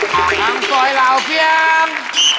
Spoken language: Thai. ทำต่อยเหล่าเชียง